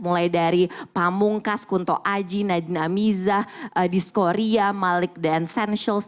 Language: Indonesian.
mulai dari pamungkas kunto aji nadina miza disco ria malik dan sensuals